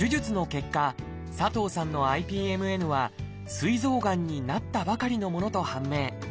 結果佐藤さんのＩＰＭＮはすい臓がんになったばかりのものと判明。